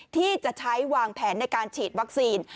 ที่จะใช้วางแผนในการฉีดวัคซีน